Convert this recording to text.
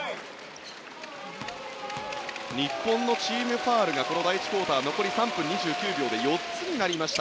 日本のチームファウルがこの第１クオーター乗り３分２９秒で４つになりました。